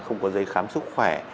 không có dây khám sức khỏe